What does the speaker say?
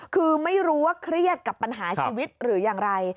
คือไม่รู้ว่าเครียดกับปัญหาชีวิตหรืออย่างไร